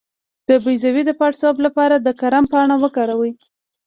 د بیضو د پړسوب لپاره د کرم پاڼه وکاروئ